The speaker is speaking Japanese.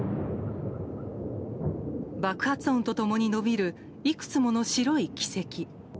爆発音と共に伸びるいくつもの白い軌跡。